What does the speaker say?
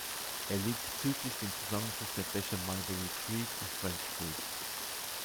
Er liegt südlich dem Zusammenfluss der Bäche Mulberry Creek und French Creek.